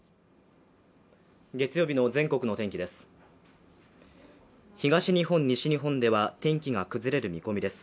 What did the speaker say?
月曜日の全国の天気です。